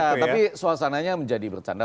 ya tapi suasananya menjadi bercanda